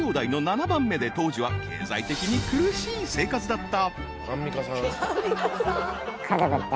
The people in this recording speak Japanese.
［当時は経済的に苦しい生活だった］